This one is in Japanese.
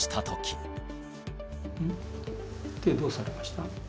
手どうされました？